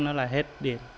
nó là hết điện